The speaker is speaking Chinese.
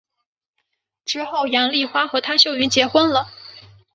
之后杨棣华和汤秀云结婚了。